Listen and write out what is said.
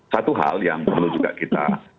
satu hal yang perlu juga kita